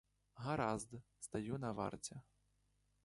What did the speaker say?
Гаразд, стаю на варті.